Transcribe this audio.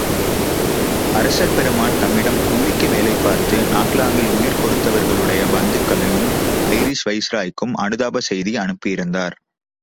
அரசர் பெருமான் தம்மிடம் கூலிக்கு வேலைபார்த்து நாக்லாங்கில் உயிர் கொடுத்தவர்களுடைய பந்துக்களுக்கும் ஐரீஷ் வைசிராய்க்கும் அனுதாபச் செய்தி அனுப்பியிருந்தார்.